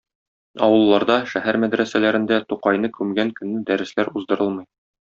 Авылларда, шәһәр мәдрәсәләрендә Тукайны күмгән көнне дәресләр уздырылмый.